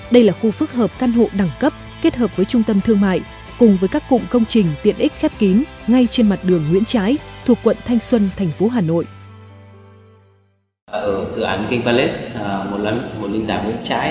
đây là khu phức hợp căn hộ đẳng cấp kết hợp với trung tâm thương mại cùng với các cụm công trình tiện ích khép kín ngay trên mặt đường nguyễn trái thuộc quận thanh xuân thành phố hà nội